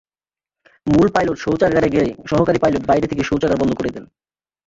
মূল পাইলট শৌচাগারে গেলে সহকারী পাইলট বাইরে থেকে শৌচাগার বন্ধ করে দেন।